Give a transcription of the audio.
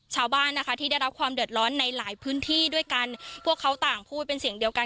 ชาวบ้านนะคะที่ได้รับความเดือดร้อนในหลายพื้นที่ด้วยกันพวกเขาต่างพูดเป็นเสียงเดียวกัน